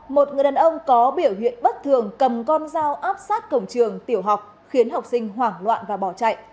một người đàn ông có biểu hiện bất thường cầm con dao áp sát cổng trường tiểu học khiến học sinh hoảng loạn và bỏ chạy